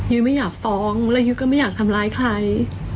ไม่อยากฟ้องแล้วยุ้ยก็ไม่อยากทำร้ายใคร